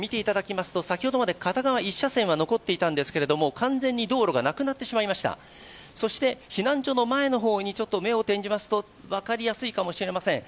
先ほどまで片側１車線は残っていたんですけども、完全に道路がなくなってしまいました避難所の前の方にちょっと目を転じますと、分かりやすいかもしれません。